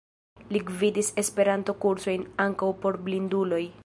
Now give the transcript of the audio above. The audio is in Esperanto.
Li gvidis Esperanto-kursojn, ankaŭ por blinduloj.